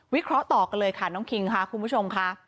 เคราะห์ต่อกันเลยค่ะน้องคิงค่ะคุณผู้ชมค่ะ